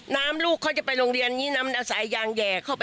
น้ำลูกเขาจะไปโรงเรียนนี่น้ำมันเอาสายยางแย่เข้าไป